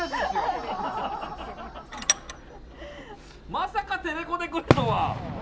まさかテレコでくるとは。